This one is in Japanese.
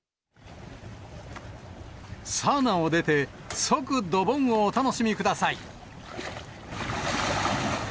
サウナを出て、即ドボンをお楽しみください！